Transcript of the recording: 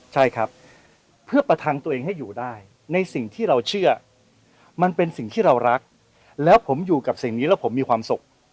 ใช่ครับเพื่อประทังตัวเองให้อยู่ได้ในสิ่งที่เราเชื่อมันเป็นสิ่งที่เรารักแล้วผมอยู่กับสิ่งนี้แล้วผมมีความสุข